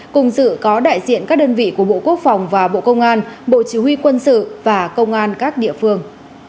cùng dự có đại diện các đơn vị của bộ quốc phòng và bộ công an bộ chỉ huy quân sự và công an các địa phương